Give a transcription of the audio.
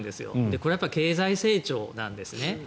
これは経済成長なんですね。